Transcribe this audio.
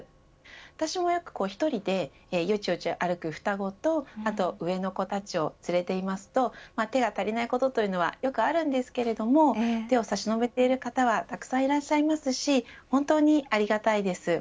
私もよく１人でよちよち歩く双子と上の子たちを連れていますと手が足りないことというのはよくあるんですけれども手を差し伸べている方はたくさんいらっしゃいますし本当にありがたいです。